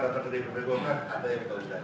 ya kan sudah ada pengarahannya saya akan jawab